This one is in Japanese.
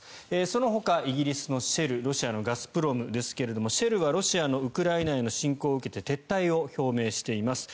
そのほかイギリスのシェルロシアのガスプロムですがシェルはロシアのウクライナへの侵攻を受けて撤退を表明しています。